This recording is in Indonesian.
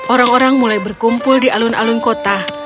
orang orang mulai berkumpul di alun alun kota